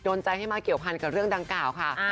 ใจให้มาเกี่ยวพันกับเรื่องดังกล่าวค่ะ